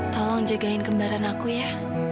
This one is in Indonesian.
tolong jagain kembaran aku ya